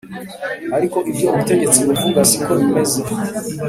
ariko ibyo ubutegetsi buvuga siko bimeze